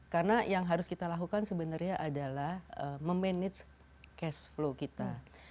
karena yang harus kita lakukan sebenarnya adalah memanage cash flow kita